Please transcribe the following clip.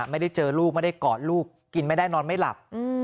ไม่ได้เจอลูกไม่ได้กอดลูกกินไม่ได้นอนไม่หลับ